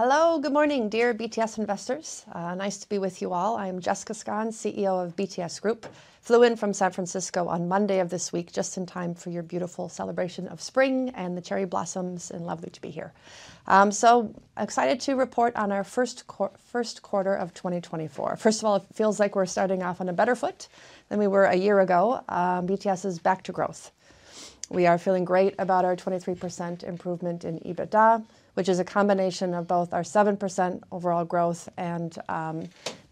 Hello, good morning, dear BTS investors. Nice to be with you all. I am Jessica Skon, CEO of BTS Group. Flew in from San Francisco on Monday of this week, just in time for your beautiful celebration of spring and the cherry blossoms, and lovely to be here. So excited to report on our first quarter of 2024. First of all, it feels like we're starting off on a better foot than we were a year ago. BTS is back to growth. We are feeling great about our 23% improvement in EBITDA, which is a combination of both our 7% overall growth and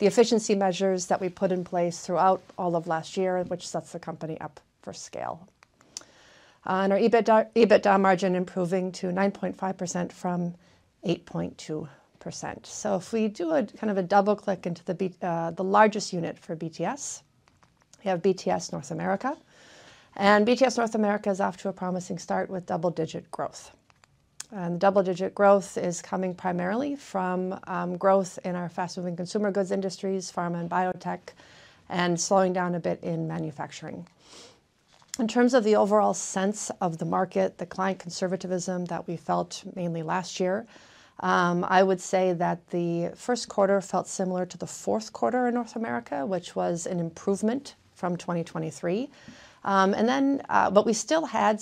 the efficiency measures that we put in place throughout all of last year, which sets the company up for scale. And our EBIT, EBITDA margin improving to 9.5% from 8.2%. So if we do a kind of a double click into the BTS, the largest unit for BTS, we have BTS North America, and BTS North America is off to a promising start with double-digit growth. And double-digit growth is coming primarily from growth in our fast-moving consumer goods industries, pharma and biotech, and slowing down a bit in manufacturing. In terms of the overall sense of the market, the client conservatism that we felt mainly last year, I would say that the first quarter felt similar to the fourth quarter in North America, which was an improvement from 2023. And then but we still had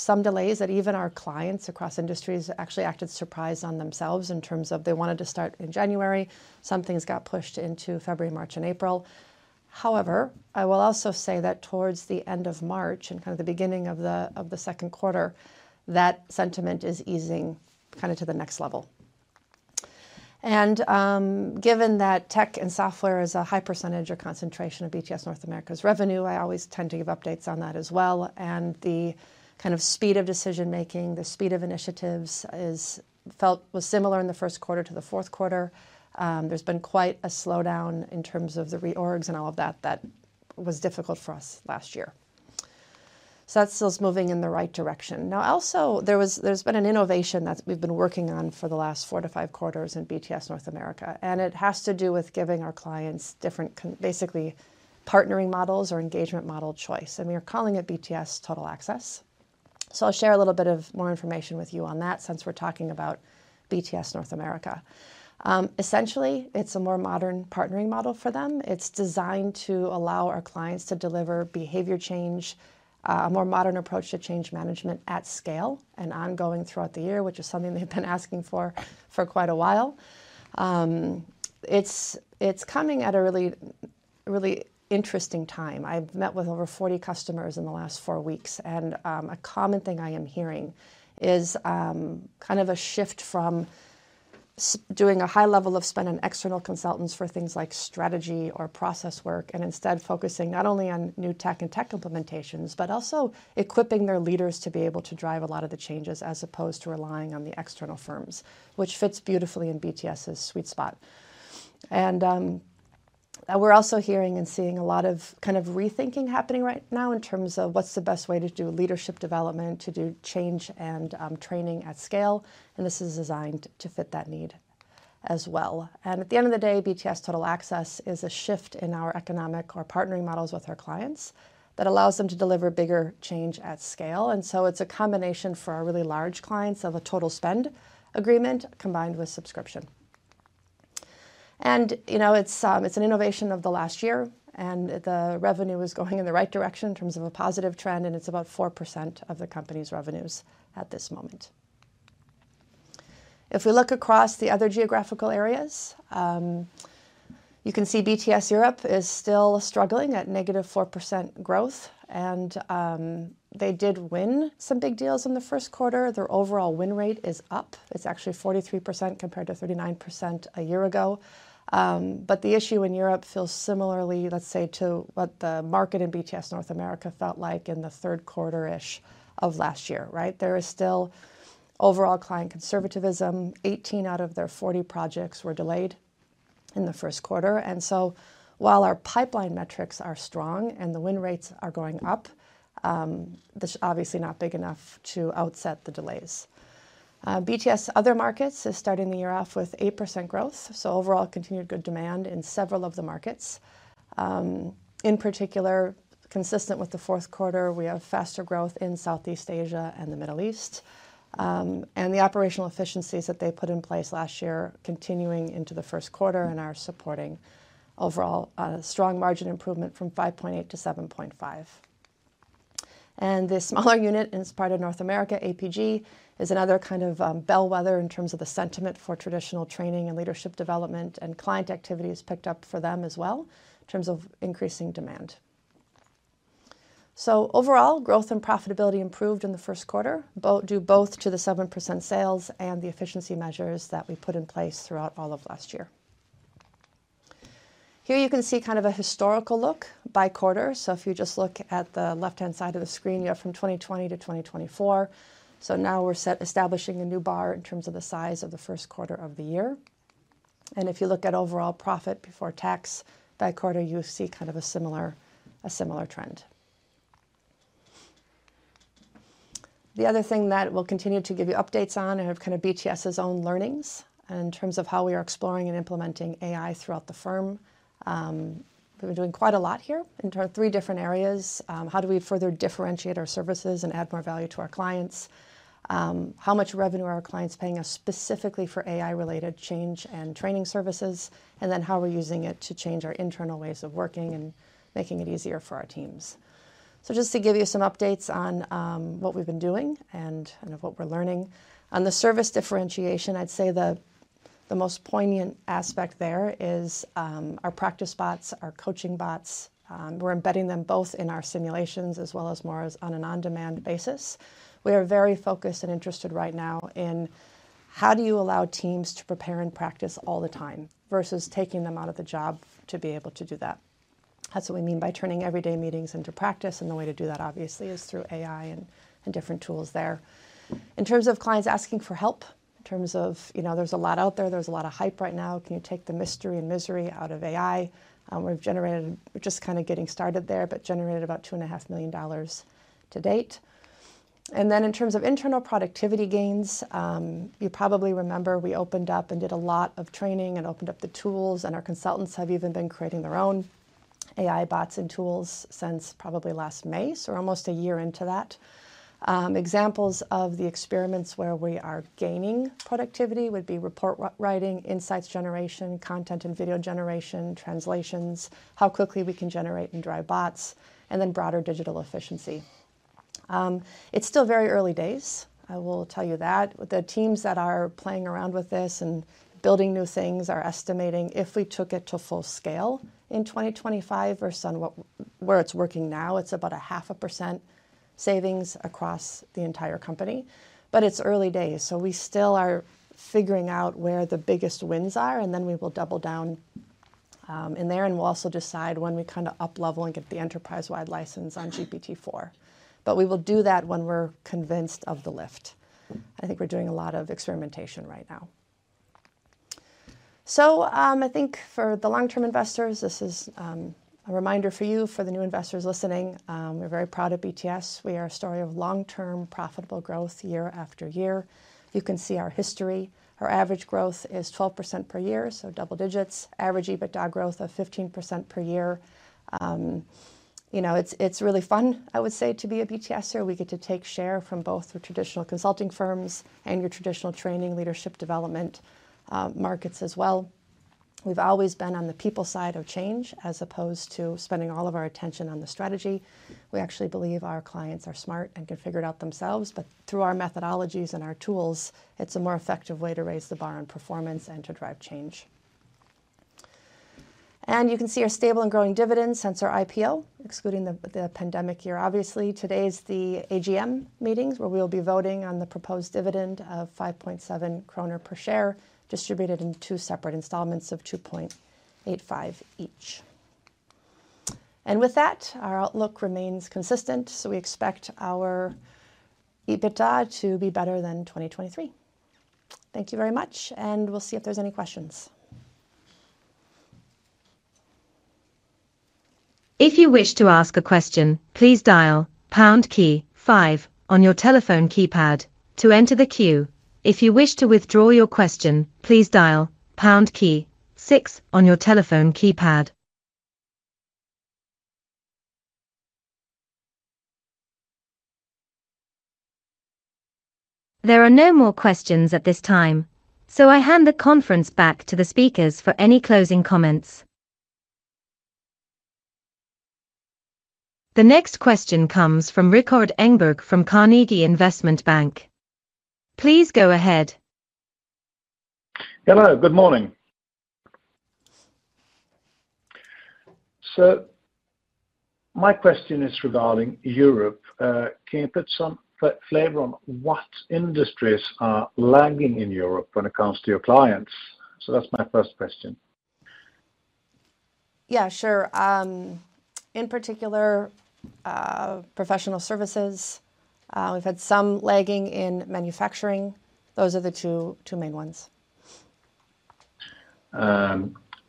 some delays that even our clients across industries actually acted surprised on themselves in terms of they wanted to start in January. Some things got pushed into February, March and April. However, I will also say that towards the end of March and kind of the beginning of the second quarter, that sentiment is easing kind of to the next level. And given that tech and software is a high percentage or concentration of BTS North America's revenue, I always tend to give updates on that as well. And the kind of speed of decision making, the speed of initiatives was felt similar in the first quarter to the fourth quarter. There's been quite a slowdown in terms of the reorgs and all of that, that was difficult for us last year. So that's still moving in the right direction. Now, also, there's been an innovation that we've been working on for the last four to five quarters in BTS North America, and it has to do with giving our clients different basically partnering models or engagement model choice, and we are calling it BTS Total Access. So I'll share a little bit of more information with you on that since we're talking about BTS North America. Essentially, it's a more modern partnering model for them. It's designed to allow our clients to deliver behavior change, a more modern approach to change management at scale and ongoing throughout the year, which is something they've been asking for, for quite a while. It's coming at a really, really interesting time. I've met with over 40 customers in the last four weeks, and a common thing I am hearing is kind of a shift from doing a high level of spend on external consultants for things like strategy or process work, and instead focusing not only on new tech and tech implementations, but also equipping their leaders to be able to drive a lot of the changes as opposed to relying on the external firms, which fits beautifully in BTS's sweet spot. We're also hearing and seeing a lot of kind of rethinking happening right now in terms of what's the best way to do leadership development, to do change and training at scale. This is designed to fit that need as well. At the end of the day, BTS Total Access is a shift in our economic or partnering models with our clients that allows them to deliver bigger change at scale. So it's a combination for our really large clients of a total spend agreement combined with subscription. You know, it's an innovation of the last year, and the revenue is going in the right direction in terms of a positive trend, and it's about 4% of the company's revenues at this moment. If we look across the other geographical areas, you can see BTS Europe is still struggling at -4% growth, and they did win some big deals in the first quarter. Their overall win rate is up. It's actually 43% compared to 39% a year ago. But the issue in Europe feels similarly, let's say, to what the market in BTS North America felt like in the third quarter-ish of last year, right? There is still overall client conservatism. 18 out of their 40 projects were delayed in the first quarter, and so while our pipeline metrics are strong and the win rates are going up, this is obviously not big enough to offset the delays. BTS Other Markets is starting the year off with 8% growth, so overall continued good demand in several of the markets. In particular, consistent with the fourth quarter, we have faster growth in Southeast Asia and the Middle East, and the operational efficiencies that they put in place last year continuing into the first quarter and are supporting overall, strong margin improvement from 5.8% to 7.5%. And the smaller unit in this part of North America, APG, is another kind of bellwether in terms of the sentiment for traditional training and leadership development, and client activity is picked up for them as well in terms of increasing demand. So overall, growth and profitability improved in the first quarter, due both to the 7% sales and the efficiency measures that we put in place throughout all of last year. Here you can see kind of a historical look by quarter. So if you just look at the left-hand side of the screen, you have from 2020 to 2024. So now we're set establishing a new bar in terms of the size of the first quarter of the year. And if you look at overall profit before tax by quarter, you see kind of a similar trend. The other thing that we'll continue to give you updates on, and kind of BTS's own learnings, in terms of how we are exploring and implementing AI throughout the firm. We've been doing quite a lot here into our three different areas. How do we further differentiate our services and add more value to our clients? How much revenue are our clients paying us specifically for AI-related change and training services? And then how we're using it to change our internal ways of working and making it easier for our teams. So just to give you some updates on, what we've been doing and, kind of, what we're learning. On the service differentiation, I'd say the most poignant aspect there is, our practice bots, our coaching bots. We're embedding them both in our simulations as well as more as on an on-demand basis. We are very focused and interested right now in how do you allow teams to prepare and practice all the time versus taking them out of the job to be able to do that? That's what we mean by turning everyday meetings into practice, and the way to do that, obviously, is through AI and, and different tools there. In terms of clients asking for help, in terms of, you know, there's a lot out there, there's a lot of hype right now. Can you take the mystery and misery out of AI? We've generated. We're just kinda getting started there, but generated about $2.5 million to date. And then in terms of internal productivity gains, you probably remember we opened up and did a lot of training and opened up the tools, and our consultants have even been creating their own AI bots and tools since probably last May, so almost a year into that. Examples of the experiments where we are gaining productivity would be report writing, insights generation, content and video generation, translations, how quickly we can generate and drive bots, and then broader digital efficiency. It's still very early days, I will tell you that. The teams that are playing around with this and building new things are estimating, if we took it to full scale in 2025 versus where it's working now, it's about a 0.5% savings across the entire company. But it's early days, so we still are figuring out where the biggest wins are, and then we will double down in there, and we'll also decide when we up level and get the enterprise-wide license on GPT-4. But we will do that when we're convinced of the lift. I think we're doing a lot of experimentation right now. So, I think for the long-term investors, this is a reminder for you, for the new investors listening, we're very proud of BTS. We are a story of long-term, profitable growth year after year. You can see our history. Our average growth is 12% per year, so double digits. Average EBITDA growth of 15% per year. You know, it's really fun, I would say, to be a BTSer. We get to take share from both the traditional consulting firms and your traditional training, leadership development, markets as well. We've always been on the people side of change, as opposed to spending all of our attention on the strategy. We actually believe our clients are smart and can figure it out themselves, but through our methodologies and our tools, it's a more effective way to raise the bar on performance and to drive change. And you can see our stable and growing dividends since our IPO, excluding the pandemic year, obviously. Today's the AGM meetings, where we'll be voting on the proposed dividend of 5.7 kronor per share, distributed in two separate installments of 2.85 each. And with that, our outlook remains consistent, so we expect our EBITDA to be better than 2023. Thank you very much, and we'll see if there's any questions. If you wish to ask a question, please dial pound key five on your telephone keypad to enter the queue. If you wish to withdraw your question, please dial pound key six on your telephone keypad. There are no more questions at this time, so I hand the conference back to the speakers for any closing comments. The next question comes from Rikard Engberg from Carnegie Investment Bank. Please go ahead. Hello, good morning. So my question is regarding Europe. Can you put some flavor on what industries are lagging in Europe when it comes to your clients? So that's my first question. Yeah, sure. In particular, professional services, we've had some lagging in manufacturing. Those are the two, two main ones.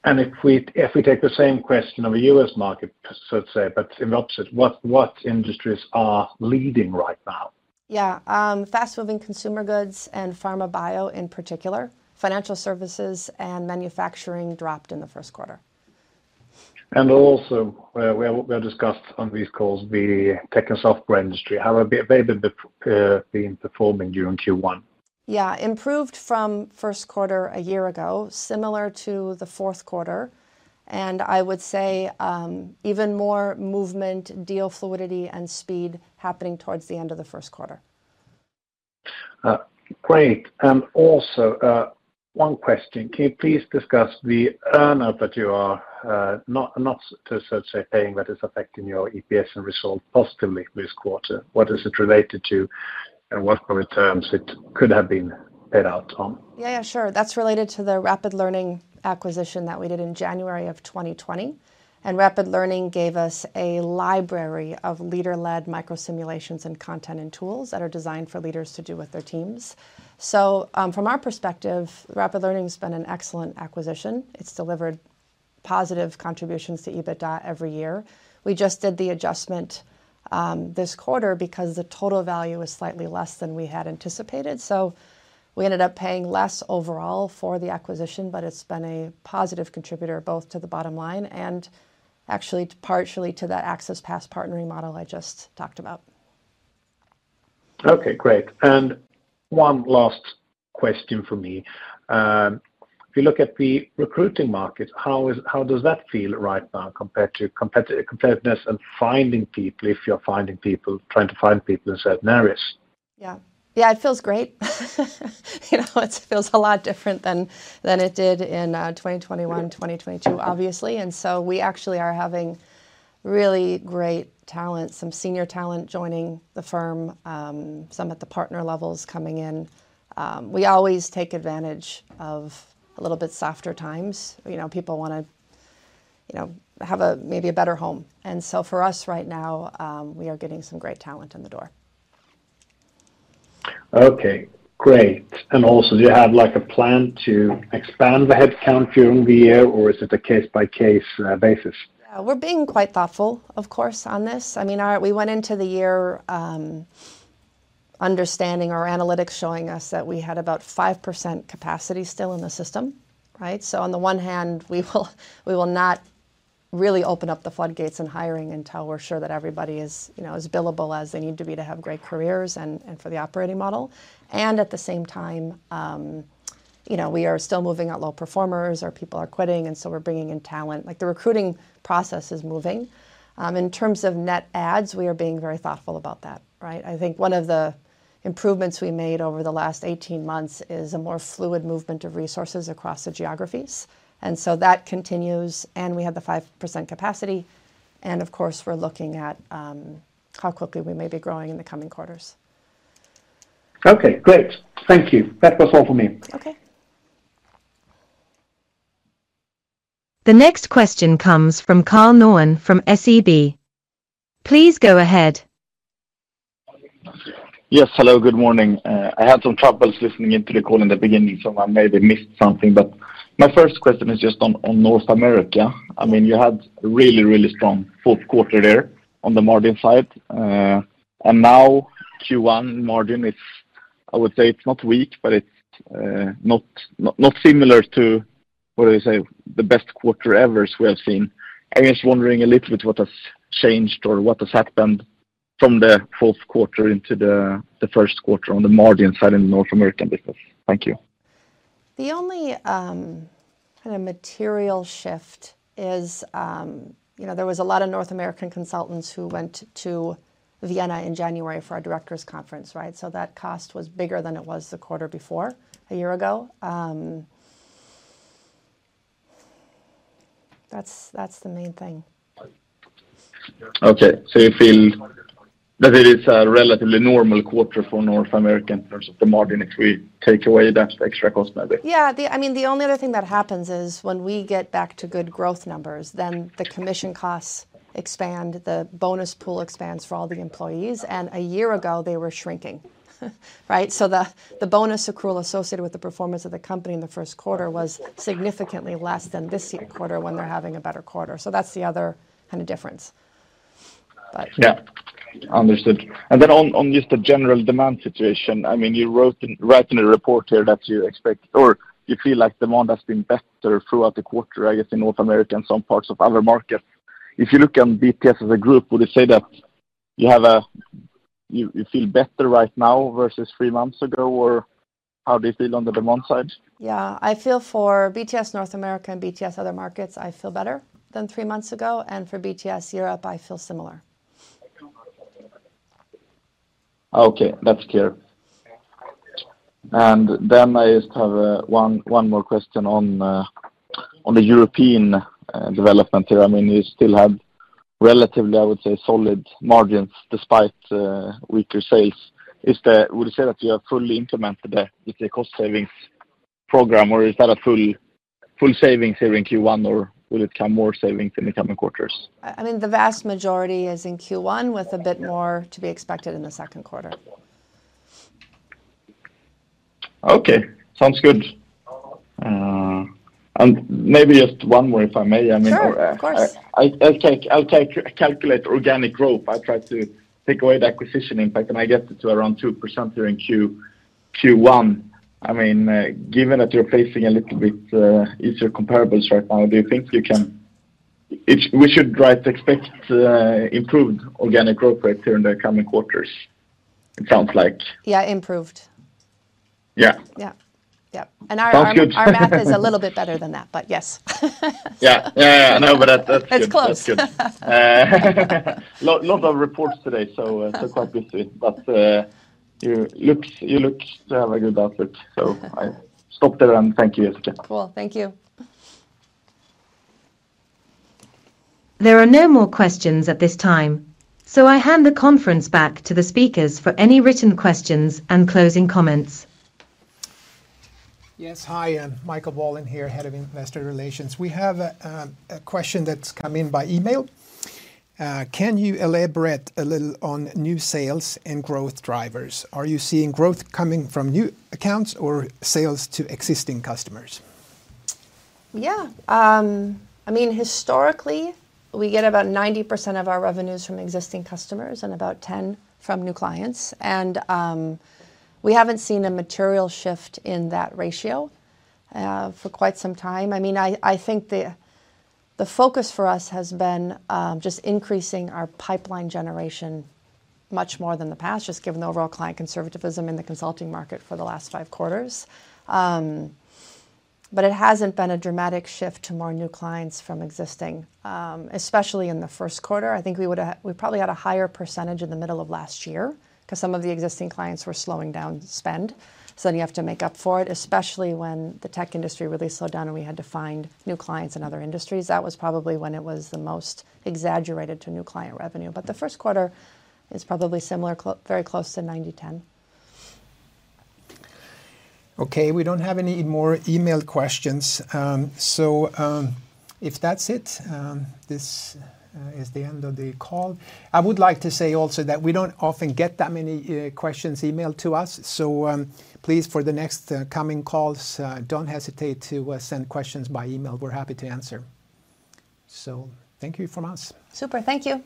If we, if we take the same question on the U.S. market, so to say, but in the opposite, what, what industries are leading right now? Yeah, fast-moving consumer goods and pharma bio, in particular, financial services and manufacturing dropped in the first quarter. And also, we have discussed on these calls the tech and software industry. How have they been performing during Q1? Yeah, improved from first quarter a year ago, similar to the fourth quarter, and I would say, even more movement, deal fluidity, and speed happening towards the end of the first quarter. Great. And also, one question: Can you please discuss the earn-out that you are, not to so to say, paying, but it's affecting your EPS and results positively this quarter? What is it related to, and what kind of terms it could have been paid out on? Yeah, sure. That's related to the Rapid Learning acquisition that we did in January of 2020, and Rapid Learning gave us a library of leader-led micro simulations and content and tools that are designed for leaders to do with their teams. So, from our perspective, Rapid Learning has been an excellent acquisition. It's delivered positive contributions to EBITDA every year. We just did the adjustment, this quarter because the total value was slightly less than we had anticipated. So we ended up paying less overall for the acquisition, but it's been a positive contributor both to the bottom line and actually partially to that access pass partnering model I just talked about. Okay, great. And one last question for me. If you look at the recruiting market, how does that feel right now compared to competitive, competitiveness and finding people, if you're finding people, trying to find people in certain areas? Yeah. Yeah, it feels great. You know, it feels a lot different than it did in 2021, 2022, obviously. And so we actually are having really great talent, some senior talent joining the firm, some at the partner levels coming in. We always take advantage of a little bit softer times. You know, people wanna, you know, have maybe a better home. And so for us, right now, we are getting some great talent in the door. Okay, great. And also, do you have, like, a plan to expand the headcount during the year, or is it a case-by-case basis? Yeah, we're being quite thoughtful, of course, on this. I mean, our. We went into the year, understanding our analytics, showing us that we had about 5% capacity still in the system, right? So on the one hand, we will, we will not really open up the floodgates in hiring until we're sure that everybody is, you know, as billable as they need to be to have great careers and, and for the operating model. And at the same time, you know, we are still moving out low performers or people are quitting, and so we're bringing in talent, like, the recruiting process is moving. In terms of net adds, we are being very thoughtful about that, right? I think one of the improvements we made over the last 18 months is a more fluid movement of resources across the geographies, and so that continues, and we have the 5% capacity, and of course, we're looking at how quickly we may be growing in the coming quarters. Okay, great. Thank you. That was all for me. Okay. The next question comes from Karl Norén from SEB. Please go ahead. Yes, hello, good morning. I had some troubles listening in to the call in the beginning, so I maybe missed something. But my first question is just on North America. I mean, you had really, really strong fourth quarter there on the margin side. And now Q1 margin is... I would say it's not weak, but it's not similar to, what do I say? The best quarter ever we have seen. I'm just wondering a little bit what has changed or what has happened from the fourth quarter into the first quarter on the margin side in the North American business. Thank you. The only, kind of material shift is, you know, there was a lot of North American consultants who went to Vienna in January for our directors conference, right? So that cost was bigger than it was the quarter before, a year ago. That's, that's the main thing. Okay. So you feel that it is a relatively normal quarter for North American in terms of the margin if we take away that extra cost, maybe? Yeah. I mean, the only other thing that happens is when we get back to good growth numbers, then the commission costs expand, the bonus pool expands for all the employees, and a year ago they were shrinking, right? So the bonus accrual associated with the performance of the company in the first quarter was significantly less than this quarter when they're having a better quarter. So that's the other kind of difference. But- Yeah, understood. And then on just the general demand situation, I mean, you wrote in a report here that you expect or you feel like demand has been better throughout the quarter, I guess, in North America and some parts of other markets. If you look on BTS as a group, would you say that you feel better right now versus three months ago? Or how do you feel on the demand side? Yeah. I feel for BTS North America and BTS Other Markets, I feel better than three months ago, and for BTS Europe, I feel similar. Okay, that's clear. And then I just have one more question on the European development here. I mean, you still have relatively, I would say, solid margins despite weaker sales. Would you say that you have fully implemented the cost savings program, or is that a full savings here in Q1, or will it come more savings in the coming quarters? I mean, the vast majority is in Q1, with a bit more to be expected in the second quarter. Okay. Sounds good. Maybe just one more, if I may. I mean. Sure. Of course. I'll calculate organic growth. I try to take away the acquisition impact, and I get it to around 2% here in Q1. I mean, given that you're facing a little bit easier comparables right now, do you think you can. We should right expect improved organic growth rate here in the coming quarters, it sounds like? Yeah, improved. Sounds good. Our math is a little bit better than that, but yes. Yeah. Yeah, I know, but that, that's good. It's close. Lot, lot of reports today, so, so quite busy. But, you looks, you look to have a good outfit, so I stop there and thank you, Jessica. Cool. Thank you. There are no more questions at this time, so I hand the conference back to the speakers for any written questions and closing comments. Yes, hi, I'm Michael Wallin here, Head of Investor Relations. We have a question that's come in by email. Can you elaborate a little on new sales and growth drivers? Are you seeing growth coming from new accounts or sales to existing customers? Yeah. I mean, historically, we get about 90% of our revenues from existing customers and about 10% from new clients. We haven't seen a material shift in that ratio for quite some time. I mean, I think the focus for us has been just increasing our pipeline generation much more than the past, just given the overall client conservatism in the consulting market for the last five quarters. But it hasn't been a dramatic shift to more new clients from existing, especially in the first quarter. I think we probably had a higher percentage in the middle of last year because some of the existing clients were slowing down spend, so then you have to make up for it, especially when the tech industry really slowed down and we had to find new clients in other industries. That was probably when it was the most exaggerated to new client revenue. But the first quarter is probably similar, very close to 90/10. Okay, we don't have any more email questions. If that's it, this is the end of the call. I would like to say also that we don't often get that many questions emailed to us. So, please, for the next coming calls, don't hesitate to send questions by email. We're happy to answer. So thank you from us. Super. Thank you.